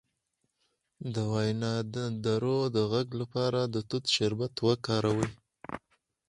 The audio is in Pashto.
د وینادرو د غږ لپاره د توت شربت وکاروئ